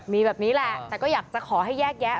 มีแบบนี้แหละแต่ก็อยากจะขอให้แยกแยะ